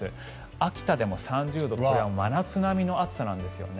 秋田でも３０度と真夏並みの暑さなんですよね。